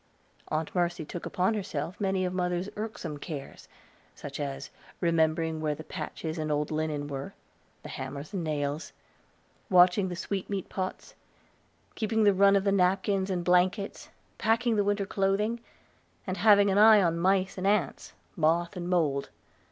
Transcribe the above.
Aunt Mercy took upon herself many of mother's irksome cares; such as remembering where the patches and old linen were the hammer and nails; watching the sweetmeat pots; keeping the run of the napkins and blankets; packing the winter clothing, and having an eye on mice and ants, moth and mold.